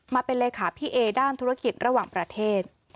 มาเป็นเลขาพี่เอด้านธุรกิจระหว่างประเทศ